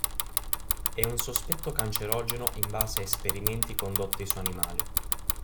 È un sospetto cancerogeno in base a esperimenti condotti su animali.